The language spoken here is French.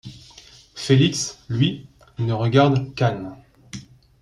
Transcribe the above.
Felix, lui, ne regarde qu'Ann.